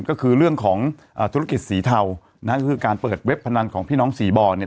ก็คือเรื่องของธุรกิจสีเทานะฮะก็คือการเปิดเว็บพนันของพี่น้องสีบอลเนี่ย